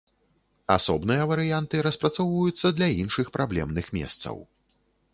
Асобныя варыянты распрацоўваюцца для іншых праблемных месцаў.